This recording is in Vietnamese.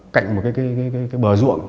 cạnh một cái bờ ruộng